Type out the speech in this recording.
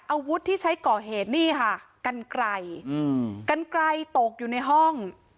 อาวุธที่ใช้ก่อเหตุนี่ค่ะกันไกลกันไกลตกอยู่ในห้อง